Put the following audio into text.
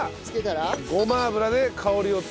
ごま油で香りを付ける。